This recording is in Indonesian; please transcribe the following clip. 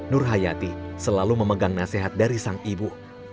nur hayati selalu memegang nasihat dari sang ibu